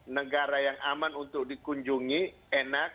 negara yang aman untuk dikunjungi enak